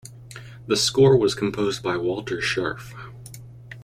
The score was composed by Walter Scharf.